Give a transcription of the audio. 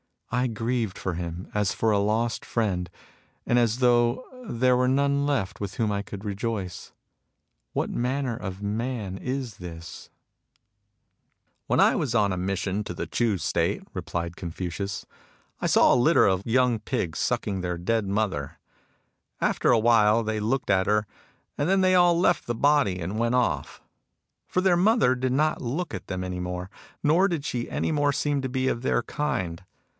I grieved for him as for a lost friend, and as though there were none left with whom I could rejoice. What manner of man is this ?"" When I was on a mission to the Ch'u State," replied Confucius, " I saw a litter of young pigs sucking their dead mother. After a while they looked at her, and then they all left the body and went off. For their mother did not look at them any more, nor did she any more seem to be of their kind.